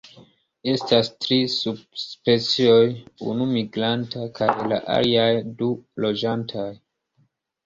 Estas tri subspecioj, unu migranta, kaj la aliaj du loĝantaj.